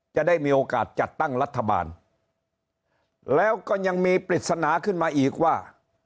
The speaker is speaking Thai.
จะได้มีโอกาสจัดตั้งรัฐบาลแล้วก็ยังมีปริศนาขึ้นมาอีกว่า